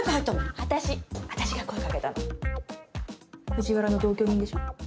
藤原の同居人でしょ？